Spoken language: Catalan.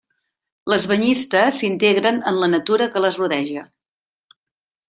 Les banyistes s'integren en la natura que les rodeja.